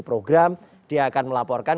program dia akan melaporkan